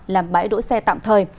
làm bãi đổi xe tạm thời